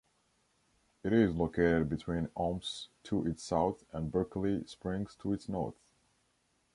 It is located between Omps to its south and Berkeley Springs to its north.